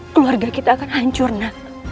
keluarga kita akan hancur nak